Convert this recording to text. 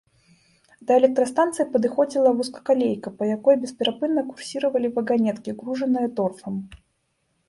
Да электрастанцыі падыходзіла вузкакалейка, па якой бесперапынна курсіравалі ваганеткі, гружаныя торфам.